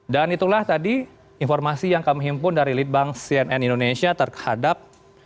dan itulah tadi informasi yang kami impun dari litbang cnn indonesia terhadap